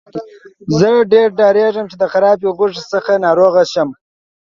زه ډیر ډاریږم چې د خرابې غوښې څخه ناروغه شم.